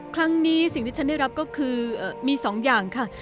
ครั้งนี้สิ่งที่ฉันได้รับก็คือมี๒อย่างค่ะ